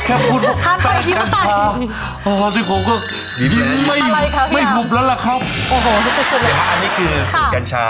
อันนี้คือสูตรกัญชา